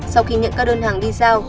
sau khi nhận các đơn hàng đi giao